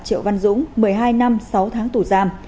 triệu văn dũng một mươi hai năm sáu tháng tù giam